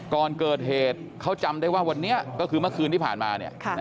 ก่อนเกิดเหตุเขาจำได้ว่าวันนี้ก็คือเมื่อคืนที่ผ่านมา